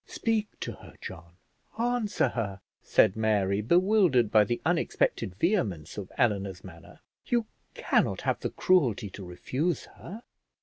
"Speak to her, John; answer her," said Mary, bewildered by the unexpected vehemence of Eleanor's manner; "you cannot have the cruelty to refuse her."